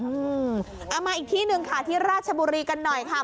เอามาอีกที่หนึ่งค่ะที่ราชบุรีกันหน่อยค่ะ